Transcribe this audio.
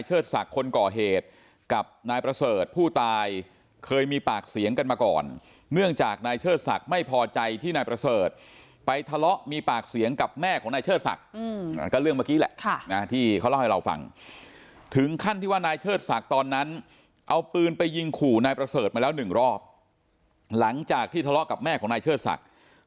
ศักดิ์คนก่อเหตุกับนายประเสริฐผู้ตายเคยมีปากเสียงกันมาก่อนเนื่องจากนายเชิดศักดิ์ไม่พอใจที่นายประเสริฐไปทะเลาะมีปากเสียงกับแม่ของนายเชิดศักดิ์ก็เรื่องเมื่อกี้แหละที่เขาเล่าให้เราฟังถึงขั้นที่ว่านายเชิดศักดิ์ตอนนั้นเอาปืนไปยิงขู่นายประเสริฐมาแล้วหนึ่งรอบหลังจากที่ทะเลาะกับแม่ของนายเชิดศักดิ์